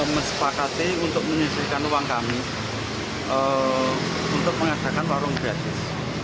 mengembangkan uang kami untuk menghasilkan warung gratis